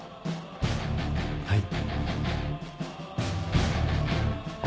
はい。